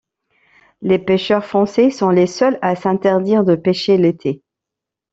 Les pêcheurs français sont les seuls à s'interdire de pêcher l'été.